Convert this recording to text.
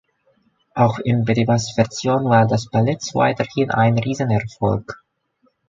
Auch in Petipas Version war das Balletts weiterhin ein Riesenerfolg.